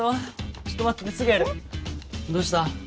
どうした？